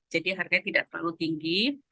jadi harganya tidak terlalu tinggi